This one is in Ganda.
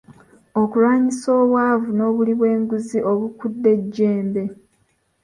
Okulwanyisa obwavu n'obuli bwenguzi obukudde ejjembe.